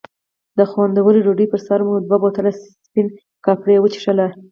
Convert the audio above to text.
د خوندورې ډوډۍ پر سر مو دوه بوتله سپین کاپري وڅښل.